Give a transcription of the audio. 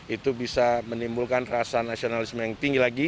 itu bisa menimbulkan rasa nasionalisme yang tinggi lagi